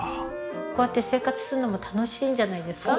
こうやって生活するのも楽しいんじゃないですか？